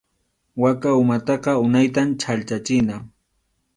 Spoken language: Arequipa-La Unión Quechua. Waka umantaqa unaytam chhallchachina.